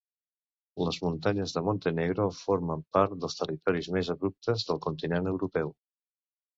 Les muntanyes de Montenegro formen part dels territoris més abruptes del continent europeu.